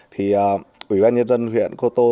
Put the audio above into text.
thì ủy ban nhân dân huyện cô tô